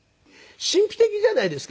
神秘的じゃないですか。